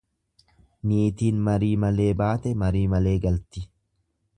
Niitiin marii malee baate marii malee galti.